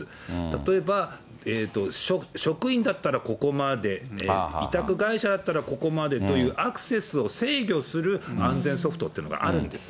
例えば職員だったらここまで、委託会社だったらここまでという、アクセスを制御する安全ソフトっていうのがあるんです。